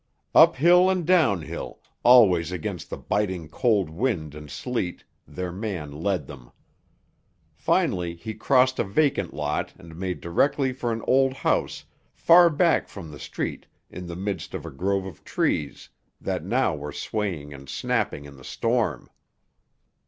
Uphill and downhill, always against the biting cold wind and sleet, their man led them. Finally he crossed a vacant lot and made directly for an old house far back from the street in the midst of a grove of trees that now were swaying and snapping in the storm.